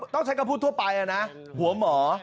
ต้องใช้คำพูดทั่วไปนะหัวหมอ